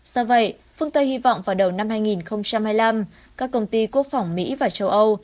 do vậy phương tây hy vọng vào đầu năm hai nghìn hai mươi năm các công ty quốc phòng mỹ và châu âu